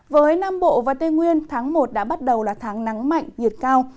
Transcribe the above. với nam bộ và tây nguyên tháng một đã bắt đầu là tháng nắng mạnh nhiệt cao